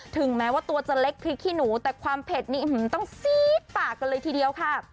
ถึงแม้ว่าตัวจะเล็กพริกขี้หนูแต่ความเผ็ดนี้ต้องซี๊ดปากกันเลยทีเดียวค่ะ